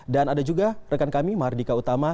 dan ada juga rekan kami mardika utama